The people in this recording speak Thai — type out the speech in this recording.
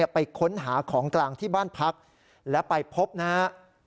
ไปค้นหาของกลางที่บ้านพักและไปพบนะครับ